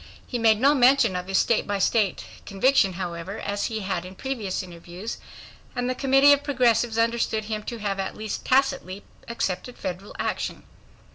He made no mention of his state by state conviction, however, as he had in previous interviews, and the Committee of Progressives understood him to have at least tacitly accepted federal action.